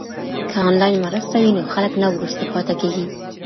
که انلاین مرسته وي نو خلګ نه وروسته پاته کیږي.